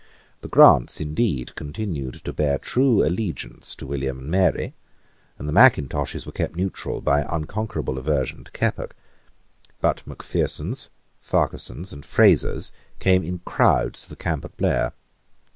The Grants indeed continued to bear true allegiance to William and Mary; and the Mackintoshes were kept neutral by unconquerable aversion to Keppoch. But Macphersons, Farquharsons, and Frasers came in crowds to the camp at Blair.